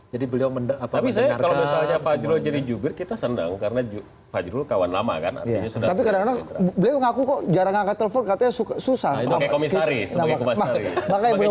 jadi beliau mendengarkan semua ini